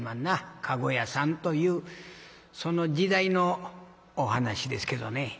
駕籠屋さんというその時代のお噺ですけどね。